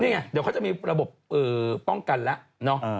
นี่ไงเดี๋ยวเขาจะมีระบบป้องกันแล้วเนอะ